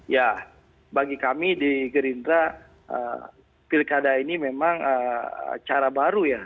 ya bagi kami di gerindra pilkada ini memang cara baru ya